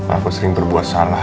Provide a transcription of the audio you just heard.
aku sering berbuat salah